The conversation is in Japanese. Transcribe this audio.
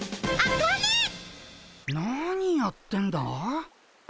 何やってんだ？